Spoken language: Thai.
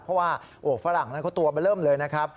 เพราะว่าฝรั่งนั้นเขาตัวเริ่มเลยนะครับ